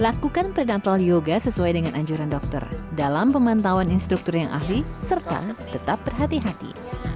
lakukan predator yoga sesuai dengan anjuran dokter dalam pemantauan instruktur yang ahli serta tetap berhati hati